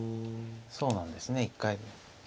そうなんですね一回。